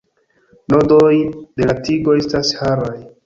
Nodoj de la tigo estas haraj.